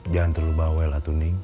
jangan terlalu bawel atening